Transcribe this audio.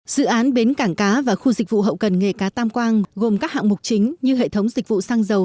dự án bến cảng cá và khu dịch vụ hậu cần nghề cá tam quang gồm các hạng mục chính như hệ thống dịch vụ xăng dầu